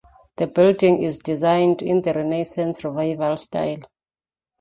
The building is designed in the Renaissance Revival style.